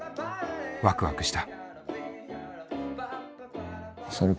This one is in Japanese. ワクワクした。